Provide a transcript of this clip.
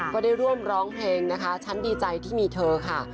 ก็ได้ร่วมร้องเพลงนะคะฉันดีใจที่มีเธอค่ะ